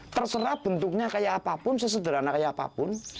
terserah bentuknya kayak apapun sesederhana kayak apapun